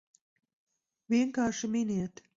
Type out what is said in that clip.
Vienkārši miniet!